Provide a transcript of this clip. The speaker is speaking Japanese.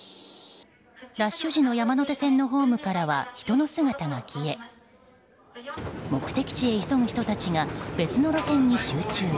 ラッシュ時の山手線のホームからは人の姿が消え目的地へ急ぐ人が別の路線へ集中。